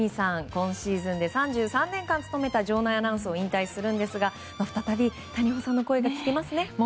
今シーズンで３３年間勤めた場内アナウンスを引退しますが再び谷保さんの声が聞けることになりました。